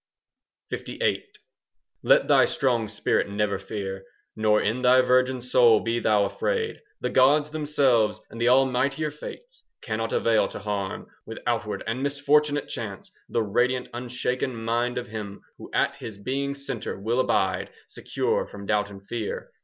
LVIII Let thy strong spirit never fear, Nor in thy virgin soul be thou afraid. The gods themselves and the almightier fates Cannot avail to harm With outward and misfortunate chance 5 The radiant unshaken mind of him Who at his being's centre will abide, Secure from doubt and fear.